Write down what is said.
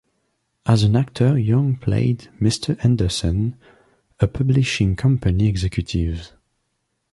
As an actor Young played Mr. Henderson, a publishing company executive.